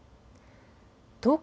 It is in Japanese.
東京